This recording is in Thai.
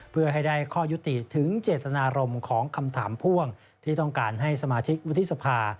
เพื่อให้ได้ข้อยุติถึงเจตนารมณ์ของคำถามพ่วงที่ต้องการให้สมาชิกวุฒิสภา